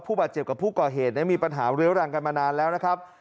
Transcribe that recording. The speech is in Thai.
บาดเจ็บกับผู้ก่อเหตุมีปัญหาเรื้อรังกันมานานแล้วนะครับ